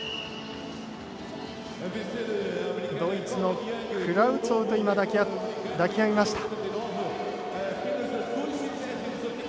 ドイツのクラフツォウと今、抱き合いました。